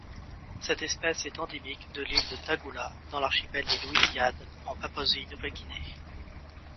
Cette espèce est endémique de l'île de Tagula dans l'archipel des Louisiades en Papouasie-Nouvelle-Guinée.